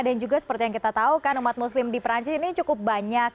dan juga seperti yang kita tahu kan umat muslim di perancis ini cukup banyak